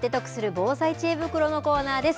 防災知恵袋のコーナーです。